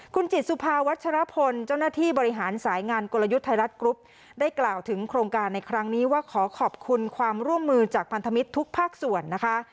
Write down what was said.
คุณจิตสุภาวัชรพลเจ้าหน้าที่บริหารสายงานกลยุทธ์ไทยรัฐกรุ๊ปได้กล่าวถึงโครงการในครั้งนี้ว่าขอขอบคุณความร่วมมือจากพันธมิตรทุกภาคส่วนนะคะ